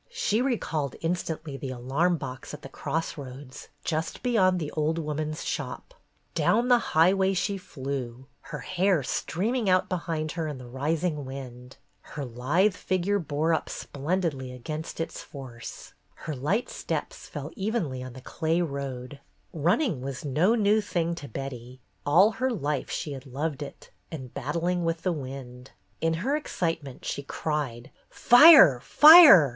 She recalled instantly the alarm box at the cross roads, just beyond the old woman's shop. Down the highway she flew, her hair stream ing out behind her in the rising wind ; her lithe figure bore up splendidly against its force; her light steps fell evenly on the clay road. 138 BETTY BAIRD'S GOLDEN YEAR Running was no new thing to Betty. All her life she had loved it, and battling with the wind. In her excitement she cried "Fire! Fire!